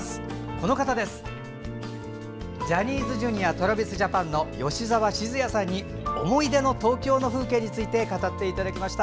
この方、ジャニーズＪｒ．ＴｒａｖｉｓＪａｐａｎの吉澤閑也さんに思い出の東京の風景について語っていただきました。